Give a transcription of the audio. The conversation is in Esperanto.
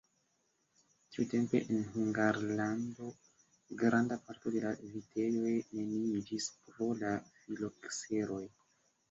Tiutempe en Hungarlando granda parto de la vitejoj neniiĝis pro la filokseroj.